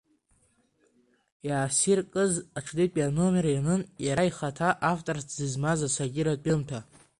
Иаасиркыз аҽнытәи аномер ианын иара ихаҭа авторс дызмаз асатиратә ҩымҭа.